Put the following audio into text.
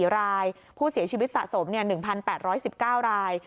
๔รายผู้เสียชีวิตสะสม๑๘๑๙ราย